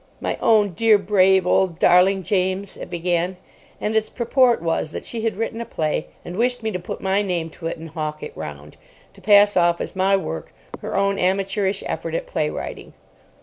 "My own dear, brave, old darling James," it began, and its purport was that she had written a play, and wished me to put my name to it and hawk it round: to pass off as my work her own amateurish effort at playwriting.